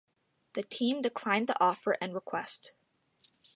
The team declined the offer and request.